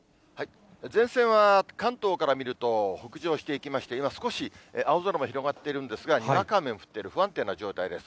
前線は関東から見ると、北上していきまして、今、少し青空も広がっているんですが、にわか雨も降っている不安定な状態です。